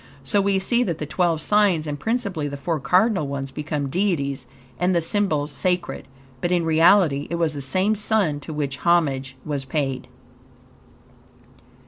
So we see that the twelve signs, and principally the four cardinal ones, became Deities, and the symbols sacred, but in reality, it was the same Sun to which homage was paid.